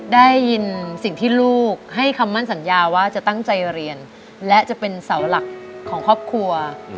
ได้ยินสิ่งที่ลูกให้คำมั่นสัญญาว่าจะตั้งใจเรียนและจะเป็นเสาหลักของครอบครัว